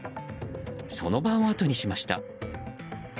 その場をあとにしました。